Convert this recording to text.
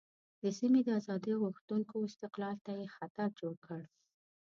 د سیمې د آزادۍ غوښتونکو استقلال ته یې خطر جوړ کړ.